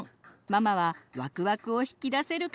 ママはわくわくを引き出せるかな？